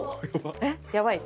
えっやばい？